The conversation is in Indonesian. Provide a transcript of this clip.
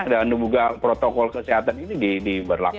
dan juga protokol kesehatan ini diberlakukan